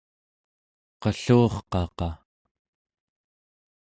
qellu'urqaqa